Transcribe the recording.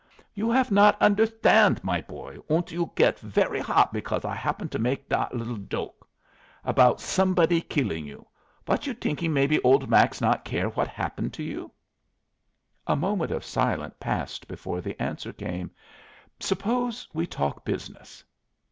"You haf not understand, my boy. Und you get very hot because I happen to make that liddle joke about somebody killing you. Was you thinking maybe old Max not care what happen to you?" A moment of silence passed before the answer came: "Suppose we talk business?"